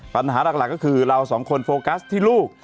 ปัญหาหลักก็คือเราสองคนโฟกัสที่ลูก